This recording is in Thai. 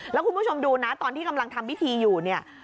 แล้วคุณผู้ชมดูนะตอนที่กำลังทำพิธีอยู่เนี่ย